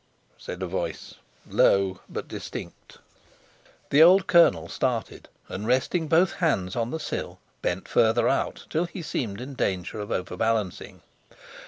said a voice, low but distinct. The old colonel started, and, resting both hands on the sill, bent further out, till he seemed in danger of overbalancing.